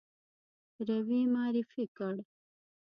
روی معرفي کړ.